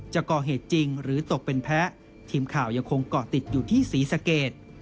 จะก่อเหตุจริงหรือตกเป็นแพ้ทีมข่าวยังคงเกาะติดอยู่ที่ศรีสะเกด